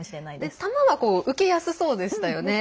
球は受けやすそうでしたよね。